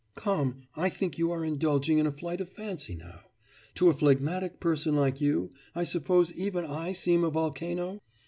'Come! I think you are indulging in a flight of fancy now. To a phlegmatic person like you, I suppose even I seem a volcano?